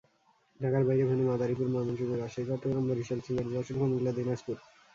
ঢাকার বাইরে ভেন্যু মাদারীপুর, ময়মনসিংহ, রাজশাহী, চট্টগ্রাম, বরিশাল, সিলেট, যশোর, কুমিল্লা, দিনাজপুর।